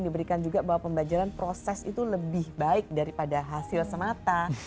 dan diberikan juga bahwa pembelajaran proses itu lebih baik daripada hasil semata